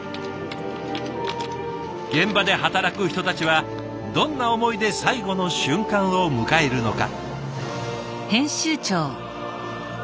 現場で働く人たちはどんな思いで最後の瞬間を迎えるのか。